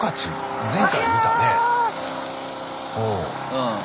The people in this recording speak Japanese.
うん。